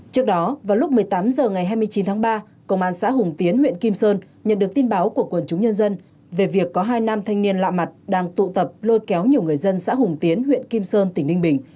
trước đó vào lúc một mươi tám h ngày hai mươi chín tháng ba công an xã hùng tiến huyện kim sơn nhận được tin báo của quần chúng nhân dân về việc có hai nam thanh niên lạ mặt đang tụ tập lôi kéo nhiều người dân xã hùng tiến huyện kim sơn tỉnh ninh bình